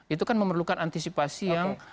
itu kan memerlukan antisipasi yang